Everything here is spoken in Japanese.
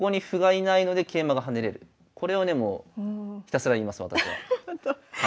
これをねもうひたすら言います私は。